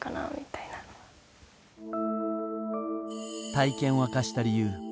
体験を明かした理由